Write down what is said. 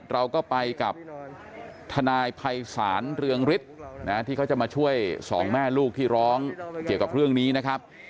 เราก็ไปกับทนายภัยศาลเรืองฤทธิ์ที่เขาจะมาช่วยสองแม่ลูกที่ร้องเกี่ยวกับเรื่องนี้นะครับ